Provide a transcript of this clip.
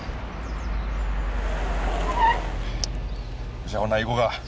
よっしゃほな行こか。